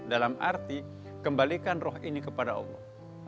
dalam arti kembalikan roh ini kepada allah